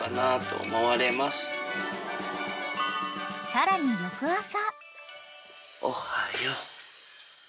［さらに翌朝］